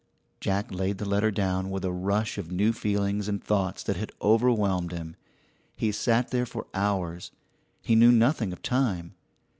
Jack laid the letter down with a rush of new feelings and thoughts that overwhelmed him. He sat there for hours; he knew nothing of time.